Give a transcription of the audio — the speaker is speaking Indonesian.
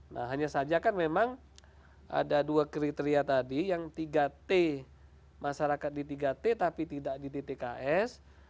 nah hanya saja kan memang ada dua kriteria tadi yang tiga t masyarakat di tiga t tapi tidak di dtks